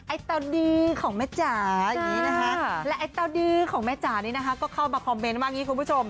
ไอ้เตาดือของแม่จ๋าและไอ้เตาดือของแม่จ๋านี่ก็เข้ามาคอมเมนต์ว่างี้คุณผู้ชม